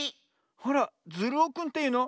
あらズルオくんというの？